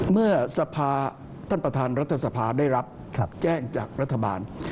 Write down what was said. เมื่อสภาท่านประธานรัฐสภาได้รับแจ้งจากรัฐบาล